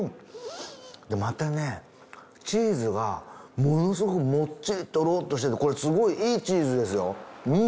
またねチーズがものすごくもっちりトロッとしててこれすごいいいチーズですよ。